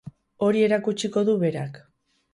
Hori erakutsiko du berak.